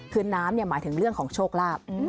คือน้ำหมายถึงเรื่องของโชคลาภ